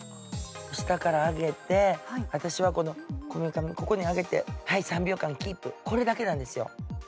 下から上げて、私はこめかみ、ここに上げて、はい３秒間キープ、これだけなんですよ。